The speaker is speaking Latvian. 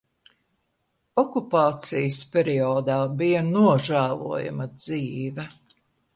Okupācijas periodā bija nožēlojama dzīve.